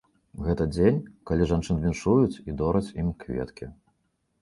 Гэта дзень, калі жанчын віншуюць і дораць ім кветкі.